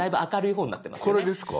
これですか？